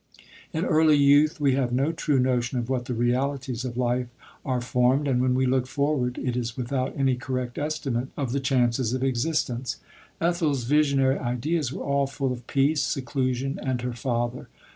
In early youth we have no true notion of what the realities of life are formed, and when we look forward it is without any correct estimate of the chances of existence. Ethel's visionary ideas were all full of peace, seclusion, and her father.